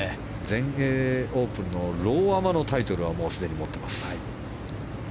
全英オープンのローアマのタイトルはもうすでに持っています。